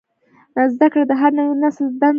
زدهکړه د هر نوي نسل دنده ده.